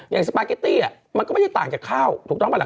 สปาเกตตี้มันก็ไม่ได้ต่างจากข้าวถูกต้องปะล่ะ